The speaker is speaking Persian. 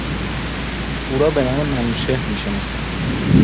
او را به نام منوچهر میشناسند.